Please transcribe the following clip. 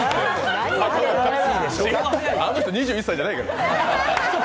あの人２１歳じゃないから。